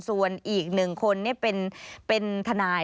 ส่วนอีกหนึ่งคนนี่เป็นทนาย